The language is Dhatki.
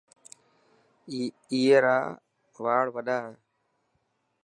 اي را واڙ وڏا هي.